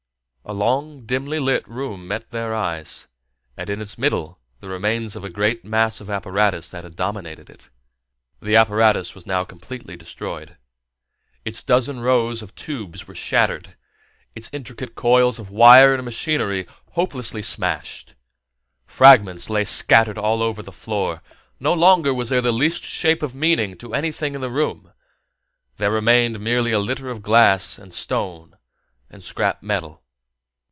A long, wide, dimly lit room met their eyes, and in its middle the remains of a great mass of apparatus that had dominated it. The apparatus was now completely destroyed. Its dozen rows of tubes were shattered, its intricate coils of wire and machinery hopelessly smashed. Fragments lay scattered all over the floor. No longer was there the least shape of meaning to anything in the room; there remained merely a litter of glass and stone and scrap metal.